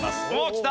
きた！